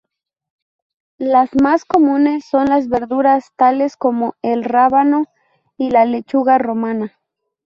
Las más comunes son las verduras tales como el rábano y la lechuga romana.